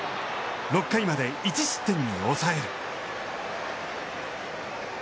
６回まで１失点に抑える。